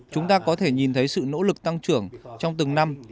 chúng ta có thể nhìn thấy sự nỗ lực tăng trưởng trong từng năm